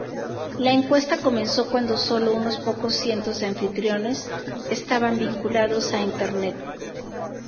La encuesta comenzó cuando sólo unos pocos cientos de anfitriones estaban vinculados a Internet.